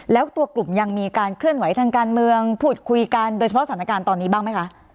แล้วตัวกลุ่มยังมีการเคลื่อนไหวทางการเมืองพูดคุยกันโดยเฉพาะสถานการณ์ตอนนี้บ้างไหมคะ